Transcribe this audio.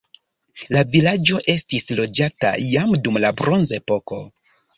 La vilaĝo estis loĝata jam dum la bronzepoko.